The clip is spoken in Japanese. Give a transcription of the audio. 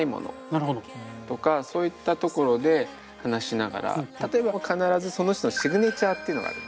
なるほど。とかそういったところで話しながら例えば必ずその人のシグネチャーっていうのがある。